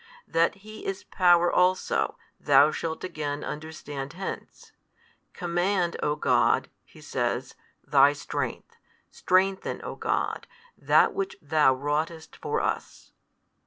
That He is Power also, thou shalt again understand hence, Command, O God (he says) Thy strength: strengthen, O God, that which Thou wroughtest for us.